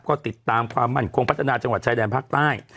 ก็ติดตามความมั่นคงพัฒนาจังหวัดชายแดนภาคใต้